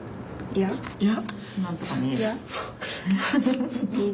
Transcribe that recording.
いや。いや？